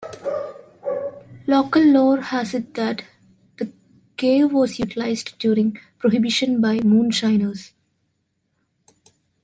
Local lore has it that the cave was utilized during Prohibition by moonshiners.